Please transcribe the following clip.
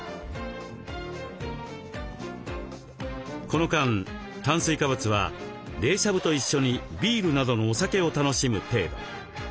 この間炭水化物は冷しゃぶと一緒にビールなどのお酒を楽しむ程度。